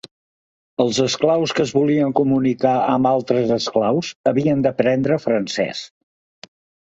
Els esclaus que es volien comunicar amb altres esclaus havien d'aprendre francès.